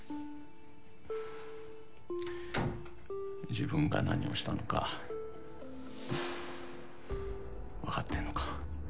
自分が何をしたのか分かってるのか！？